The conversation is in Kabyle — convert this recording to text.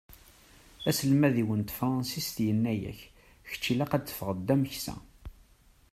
Aselmad-iw n tefransist yenna-k: Kečč ilaq ad d-teffɣeḍ d ameksa.